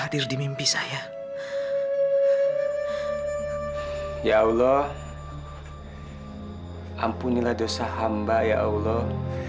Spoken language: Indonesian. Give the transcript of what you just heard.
ampunilah dosa hamba ya allah